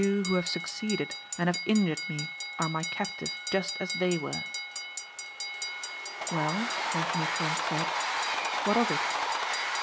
You, who have succeeded and have injured me are my captive just as they were." "Well?" Anthony Trent said, "What of it?"